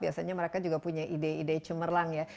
biasanya mereka juga punya ide ide cemerlang ya